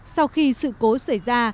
sau khi sự cố xảy ra